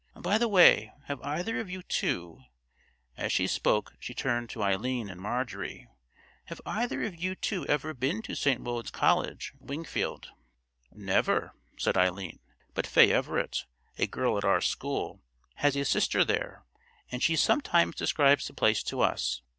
—By the way, have either of you two"—as she spoke she turned to Eileen and Marjorie—"have either of you two ever been to St. Wode's College, Wingfield?" "Never," said Eileen; "but Fay Everett, a girl at our school, has a sister there, and she sometimes describes the place to us.